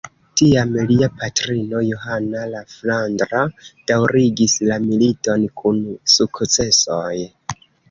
Tiam lia patrino Johana la Flandra daŭrigis la militon, kun sukcesoj.